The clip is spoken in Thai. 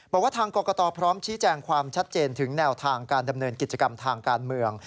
บอกว่าทางกรกตพร้อมชี้แจงความชัดเจนถึงแนวทางการดำเนินกิจกรรมทางการเมือง